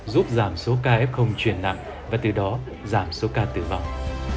giúp giảm số kf chuyển nặng và từ đó giảm số ca tử vọng